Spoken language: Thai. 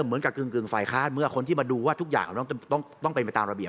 เหมือนกับกึ่งฝ่ายค้านเมื่อคนที่มาดูว่าทุกอย่างต้องเป็นไปตามระเบียบ